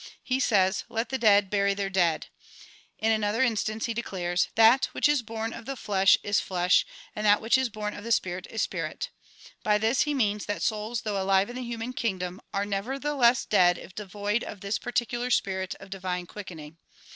He says "Let the dead bury their dead." In another in stance he declares '' That which is born of the flesh is flesh ; and that 5(i THE PR0:\1LLGATI0N OP UNIVERSAL PEACE which is born of the spirit is spirit. '' By this he means that souls though alive in the human kingdom are nevertheless dead if devoid of this particular spirit of divine quickening.